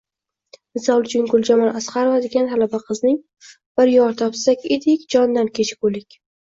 Misol uchun Guljamol Asqarova degan talaba qizning “Bir yor topsak edik, jondan kechgulik”